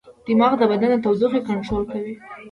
دماغ د بدن د تودوخې کنټرول کوي.